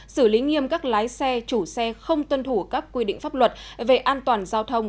xử lý nghiêm các lái xe chủ xe không tuân thủ các quy định pháp luật về an toàn giao thông